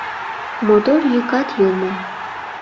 Мотор йӱкат йомо.